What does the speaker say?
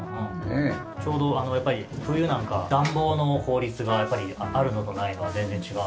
ちょうどやっぱり冬なんか暖房の効率がやっぱりあるのとないのは全然違う。